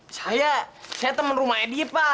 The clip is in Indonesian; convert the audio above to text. saya saya temen rumahnya dia pak